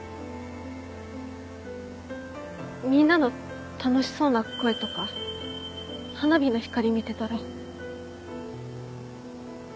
みんなの楽しそうな声とか花火の光見てたら。